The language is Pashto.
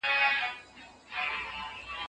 ايا ټولنپوهنه نور علوم هم په ځان کي رانغاړي؟